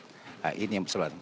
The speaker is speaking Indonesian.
nah ini yang berseberangan